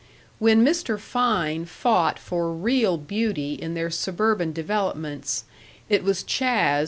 When Mr. Fein fought for real beauty in their suburban developments it was Chas.